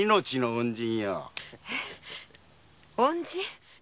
恩人？